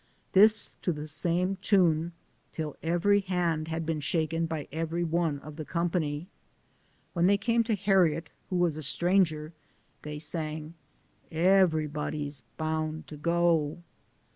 This to the same tune, till every hand had been shaken by every one of the company. When they came to Harriet, who was a stranger, they sang : Eberybody 's boun' to go